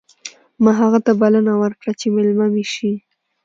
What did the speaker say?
ما هغه ته بلنه ورکړه چې مېلمه مې شي